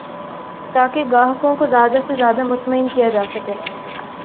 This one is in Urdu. تاکہ گاہکوں کو زیادہ سے زیادہ مطمئن کیا جا سکے